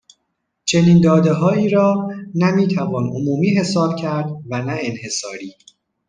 چنین دادههایی را نه میتوان عمومی حساب کرد و نه انحصاری